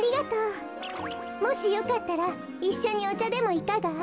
もしよかったらいっしょにおちゃでもいかが？